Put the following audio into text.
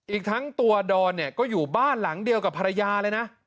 อีกทั้งตัวดอนเนี่ยก็อยู่บ้านหลังเดียวกับภรรยาเลยนะ